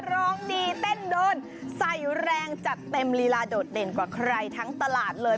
ร้องดีเต้นโดนใส่แรงจัดเต็มลีลาโดดเด่นกว่าใครทั้งตลาดเลย